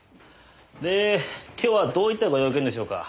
で今日はどういったご用件でしょうか？